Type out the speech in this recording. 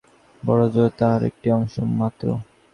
যত কিছু ব্যাপার আছে, এই জগৎ বড় জোর তাহার একটি অংশ-মাত্র।